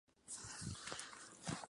En una de ellas.